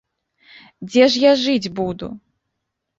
Дзе ж я жыць буду?